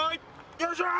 よいしょー！